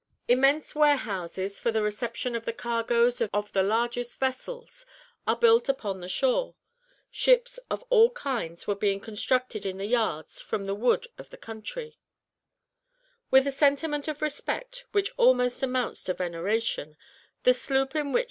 Immense warehouses, for the reception of the cargoes of the largest vessels, are built upon the shore. Ships of all kinds were being constructed in the yards from the wood of the country." [Illustration: View of Sydney. (Fac simile of early engraving.)] With a sentiment of respect, which almost amounts to veneration, the sloop in which M.